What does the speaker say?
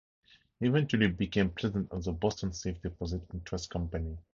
He eventually became president of the Boston Safe Deposit and Trust Company.